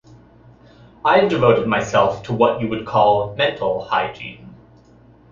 I have devoted myself to what you would call mental hygiene.